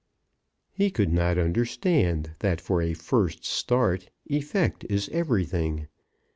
He could not understand that for a first start effect is everything.